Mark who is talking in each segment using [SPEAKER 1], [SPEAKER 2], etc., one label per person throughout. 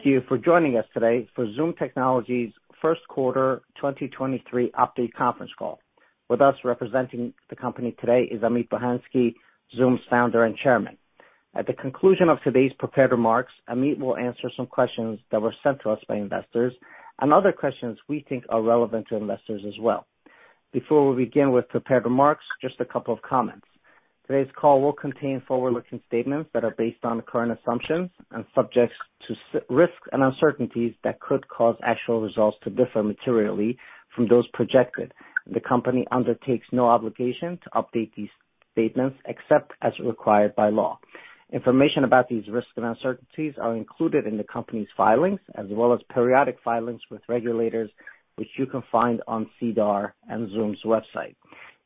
[SPEAKER 1] Thank you for joining us today for Zoomd Technologies' first quarter 2023 update conference call. With us, representing the company today, is Amit Bohensky, Zoomd's founder and chairman. At the conclusion of today's prepared remarks, Amit will answer some questions that were sent to us by investors, other questions we think are relevant to investors as well. Before we begin with prepared remarks, just a couple of comments. Today's call will contain forward-looking statements that are based on current assumptions and subjects to risks and uncertainties that could cause actual results to differ materially from those projected. The company undertakes no obligation to update these statements, except as required by law. Information about these risks and uncertainties are included in the company's filings, as well as periodic filings with regulators, which you can find on SEDAR and Zoomd's website.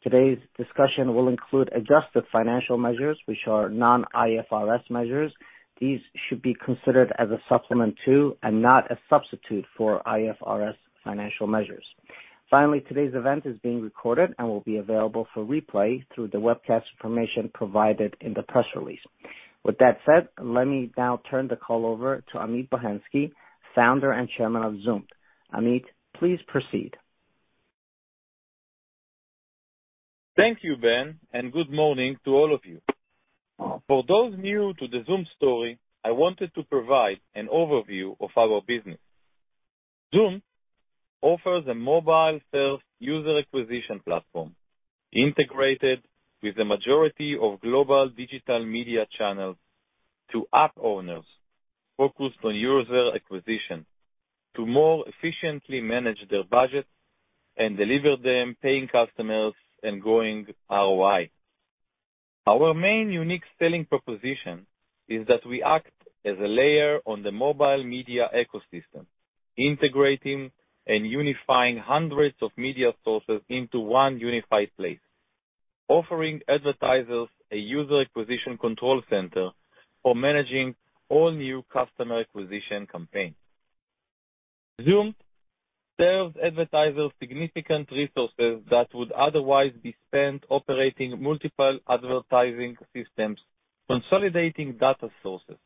[SPEAKER 1] Today's discussion will include adjusted financial measures, which are non-IFRS measures. These should be considered as a supplement to and not a substitute for IFRS financial measures. Today's event is being recorded and will be available for replay through the webcast information provided in the press release. With that said, let me now turn the call over to Amit Bohensky, Founder and Chairman of Zoomd. Amit, please proceed.
[SPEAKER 2] Thank you, Ben, and good morning to all of you. For those new to the Zoomd story, I wanted to provide an overview of our business. Zoomd offers a mobile-first user acquisition platform, integrated with the majority of global digital media channels to app owners, focused on user acquisition, to more efficiently manage their budgets and deliver them paying customers and growing ROI. Our main unique selling proposition is that we act as a layer on the mobile media ecosystem, integrating and unifying hundreds of media sources into one unified place. Offering advertisers a user acquisition control center for managing all new customer acquisition campaigns. Zoomd saves advertisers significant resources that would otherwise be spent operating multiple advertising systems, consolidating data sources,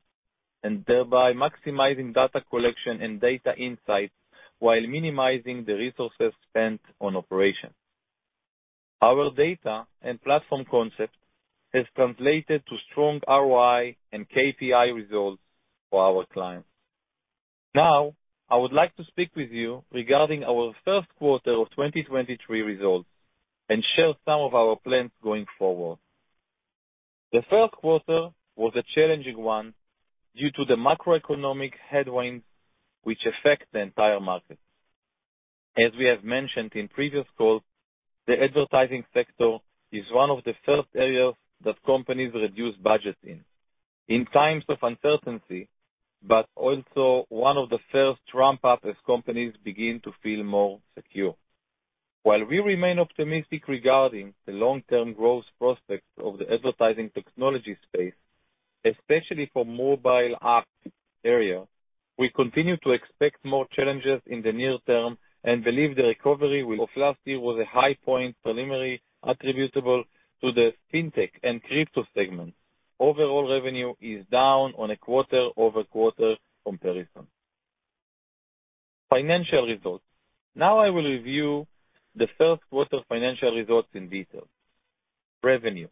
[SPEAKER 2] and thereby maximizing data collection and data insights, while minimizing the resources spent on operations. Our data and platform concept has translated to strong ROI and KPI results for our clients. Now, I would like to speak with you regarding our first quarter of 2023 results, and share some of our plans going forward. The first quarter was a challenging one due to the macroeconomic headwinds, which affect the entire market. As we have mentioned in previous calls, the advertising sector is one of the first areas that companies reduce budgets in times of uncertainty, but also one of the first ramp up as companies begin to feel more secure. While we remain optimistic regarding the long-term growth prospects of the advertising technology space, especially for mobile app area, we continue to expect more challenges in the near term and believe the recovery of last year was a high point, preliminary attributable to the fintech and crypto segments. Overall revenue is down on a quarter-over-quarter comparison. Financial results. I will review the first quarter financial results in detail. Revenue.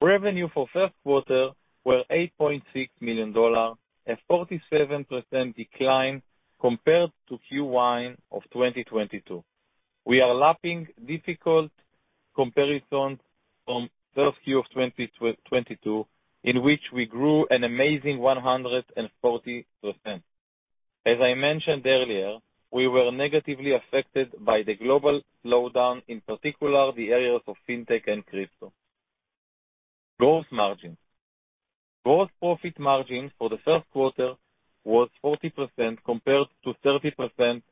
[SPEAKER 2] Revenue for first quarter was $8,600,000, a 47% decline compared to Q1 of 2022. We are lapping difficult comparisons from first Q of 2022, in which we grew an amazing 140%. As I mentioned earlier, we were negatively affected by the global slowdown, in particular, the areas of fintech and crypto. Gross margin. Gross profit margin for the first quarter was 40% compared to 30%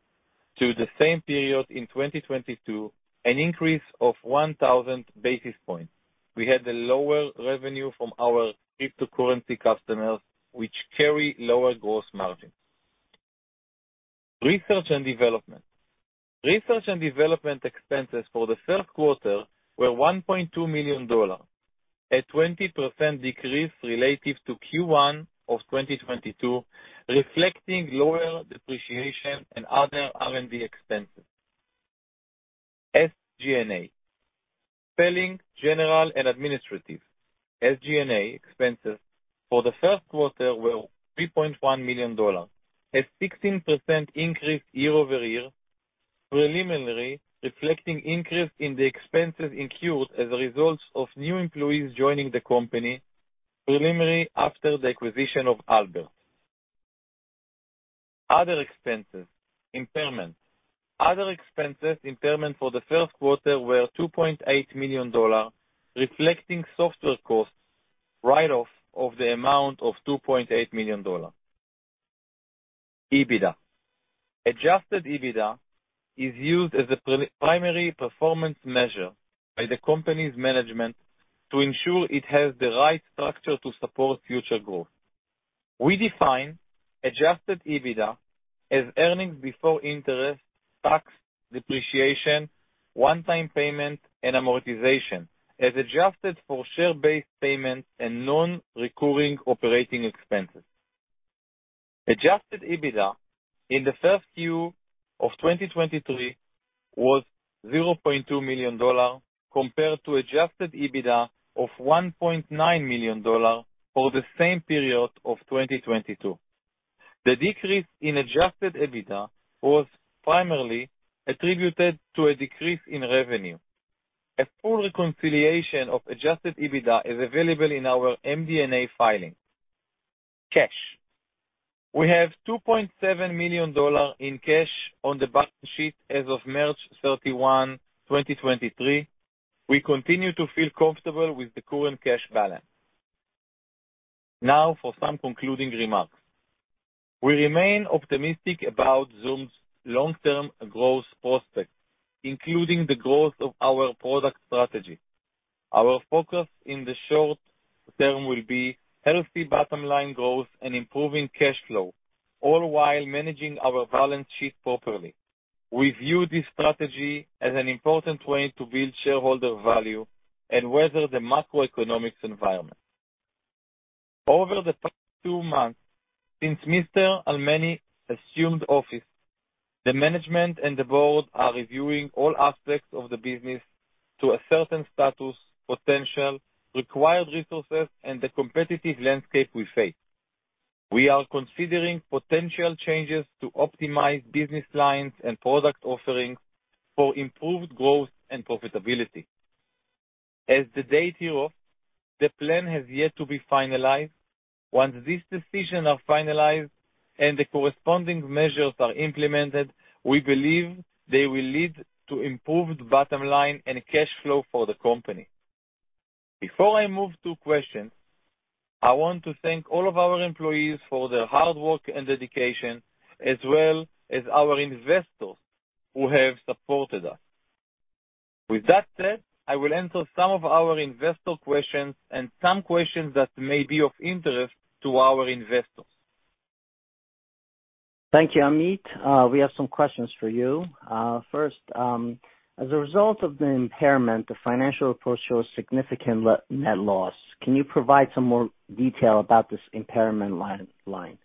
[SPEAKER 2] to the same period in 2022, an increase of 1,000 basis points. We had a lower revenue from our cryptocurrency customers, which carry lower gross margins. Research and Development. Research and development expenses for the first quarter were $1,200,000, a 20% decrease relative to Q1 of 2022, reflecting lower depreciation and other R&D expenses. SG&A. Selling, general and administrative, SG&A, expenses for the first quarter were $3,100,000, a 16% increase year-over-year, preliminary reflecting increase in the expenses incurred as a result of new employees joining the company, preliminary after the acquisition of Albert. Other expenses, impairment. Other expenses, impairment for the first quarter were $2,800,000, reflecting software costs write-off of the amount of $2,800,000. EBITDA. Adjusted EBITDA is used as a primary performance measure by the company's management to ensure it has the right structure to support future growth. We define adjusted EBITDA. as earnings before interest, tax, depreciation, one-time payment, and amortization, as adjusted for share-based payments and non-recurring operating expenses. Adjusted EBITDA in the first Q of 2023 was $200,000, compared to Adjusted EBITDA of $1,900,000 for the same period of 2022. The decrease in Adjusted EBITDA was primarily attributed to a decrease in revenue. A full reconciliation of Adjusted EBITDA is available in our MD&A filing. Cash. We have $2,700,000 in cash on the balance sheet as of March 31, 2023. We continue to feel comfortable with the current cash balance. For some concluding remarks. We remain optimistic about Zoomd's long-term growth prospects, including the growth of our product strategy. Our focus in the short term will be healthy bottom line growth and improving cash flow, all while managing our balance sheet properly. We view this strategy as an important way to build shareholder value and weather the macroeconomics environment. Over the past 2 months, since Mr. Almany assumed office, the management and the board are reviewing all aspects of the business to assert certain status, potential, required resources, and the competitive landscape we face. We are considering potential changes to optimize business lines and product offerings for improved growth and profitability. As the date hereof, the plan has yet to be finalized. Once these decisions are finalized and the corresponding measures are implemented, we believe they will lead to improved bottom line and cash flow for the company. Before I move to questions, I want to thank all of our employees for their hard work and dedication, as well as our investors who have supported us. With that said, I will answer some of our investor questions and some questions that may be of interest to our investors.
[SPEAKER 1] Thank you, Amit. We have some questions for you. First, as a result of the impairment, the financial report shows significant net loss. Can you provide some more detail about this impairment line?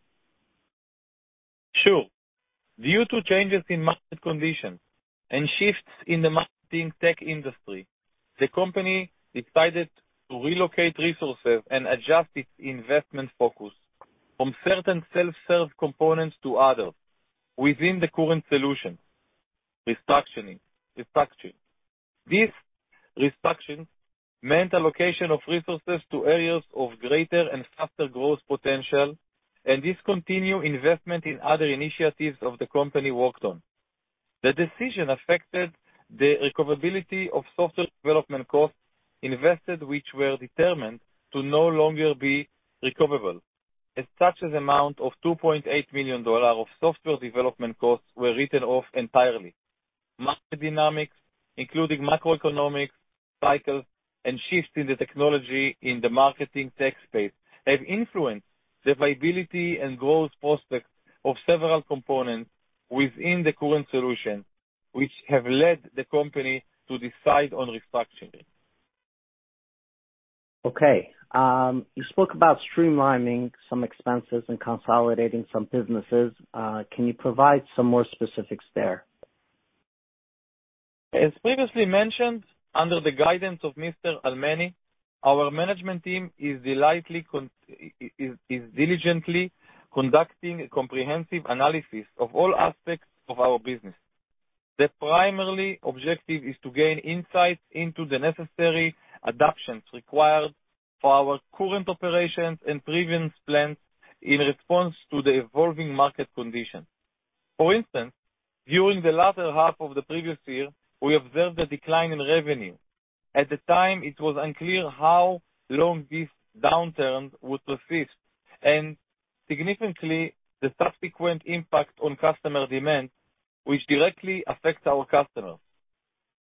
[SPEAKER 2] Sure. Due to changes in market conditions and shifts in the marketing tech industry, the company decided to relocate resources and adjust its investment focus from certain self-serve components to others within the current solution. Restructuring. This restructuring meant allocation of resources to areas of greater and faster growth potential, and discontinue investment in other initiatives of the company worked on. The decision affected the recoverability of software development costs invested, which were determined to no longer be recoverable. As such as amount of $2,800,000 of software development costs were written off entirely. Market dynamics, including macroeconomic cycles and shifts in the technology in the marketing tech space, have influenced the viability and growth prospects of several components within the current solution, which have led the company to decide on restructuring.
[SPEAKER 1] Okay. You spoke about streamlining some expenses and consolidating some businesses. Can you provide some more specifics there?
[SPEAKER 2] As previously mentioned, under the guidance of Mr. Almany, our management team is diligently conducting a comprehensive analysis of all aspects of our business. The primary objective is to gain insights into the necessary adaptations required for our current operations and previous plans in response to the evolving market conditions. For instance, during the latter half of the previous year, we observed a decline in revenue. At the time, it was unclear how long this downturn would persist, and significantly, the subsequent impact on customer demand, which directly affects our customers.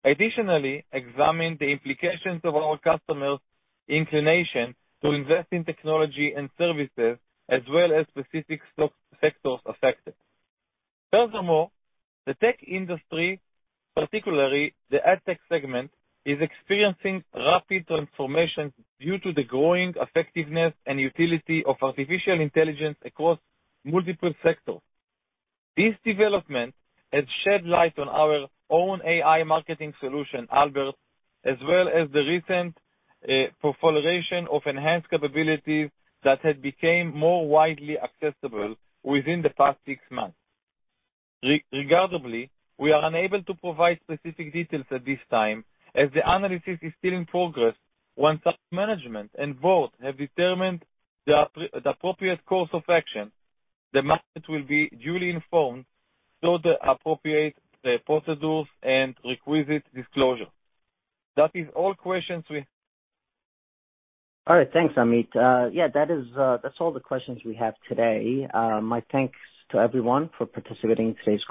[SPEAKER 2] Additionally, examine the implications of our customers' inclination to invest in technology and services, as well as specific stock sectors affected. Furthermore, the tech industry, particularly the AdTech segment, is experiencing rapid transformation due to the growing effectiveness and utility of artificial intelligence across multiple sectors. This development has shed light on our own AI marketing solution, Albert, as well as the recent proliferation of enhanced capabilities that have became more widely accessible within the past six months. Regardably, we are unable to provide specific details at this time, as the analysis is still in progress. Once management and board have determined the appropriate course of action, the market will be duly informed through the appropriate procedures and requisite disclosure. That is all questions.
[SPEAKER 1] All right, thanks, Amit. Yeah, that is, that's all the questions we have today. My thanks to everyone for participating in today's call.